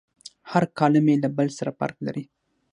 هر کالم یې له بل سره فرق کوي.